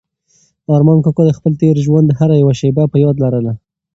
ارمان کاکا د خپل تېر ژوند هره یوه شېبه په یاد لرله.